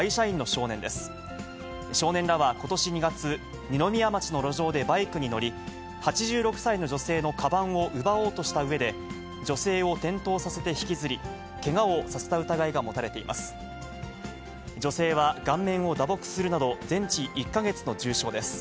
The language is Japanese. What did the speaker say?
少年らはことし２月、二宮町の路上でバイクに乗り、８６歳の女性のかばんを奪おうとしたうえで、女性を転倒させて引きずり、けがをさせた疑いが持たれています。